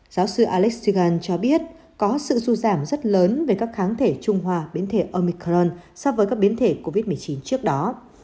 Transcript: giáo sư alexegan cho biết có sự rụ giảm rất lớn về các kháng thể trung hòa biến thể omicron so với các biến thể covid một mươi chín trước đó